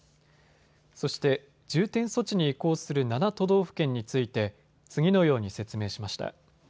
そして、重点措置に移行する７都道府県について次のように説明しました。